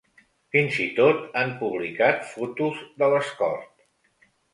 Fins i tot han publicat fotos de l'Escort.